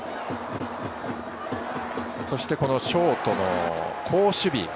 そしてショートの好守備。